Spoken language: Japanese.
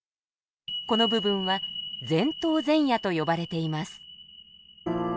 この部分は前頭前野と呼ばれています。